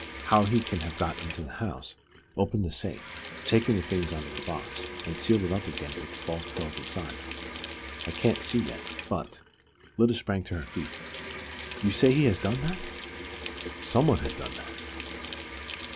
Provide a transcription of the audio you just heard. How he can have got into the house, opened the safe, taken the things out of the box, and sealed it up again with the false pearls inside, I can't see yet, but " Lyda sprang to her feet. "You say he has done that!" "Someone has done that.